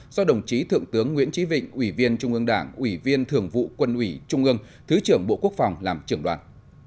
do đồng chí thượng tướng nguyễn trí vịnh ủy viên trung ương đảng ủy viên thường vụ quân ủy trung ương thứ trưởng bộ quốc phòng làm trưởng đoàn